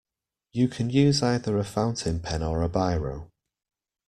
You can use either a fountain pen or a biro